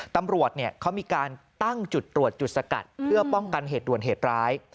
ตำรวจเขามีการตั้งจุดตรวจจุดสกัดเพื่อป้องกันเหตุด่วนเหตุร้าย